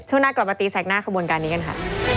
ช่วยนักกลับมาทีแสดงหน้าคบวนการนี้กันค่ะ